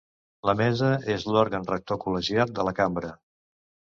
La Mesa és l'òrgan rector col·legiat de la cambra.